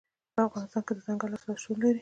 په افغانستان کې دځنګل حاصلات شتون لري.